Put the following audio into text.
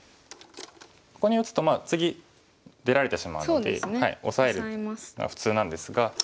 ここに打つと次出られてしまうのでオサエが普通なんですが。